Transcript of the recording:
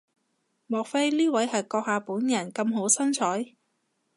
莫非呢位係閣下本人咁好身材？